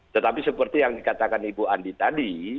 tetapi seperti yang dikatakan ibu andi tadi